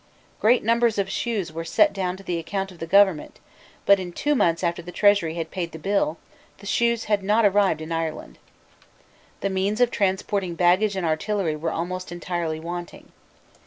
Great numbers of shoes were set down to the account of the government: but, two months after the Treasury had paid the bill, the shoes had not arrived in Ireland. The means of transporting baggage and artillery were almost entirely wanting.